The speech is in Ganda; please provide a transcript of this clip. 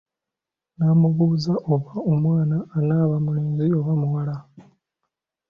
Namubuza oba omwana anaba mulenzi oba muwala?